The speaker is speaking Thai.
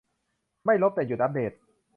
ไม่ลบ แต่หยุดอัปเดต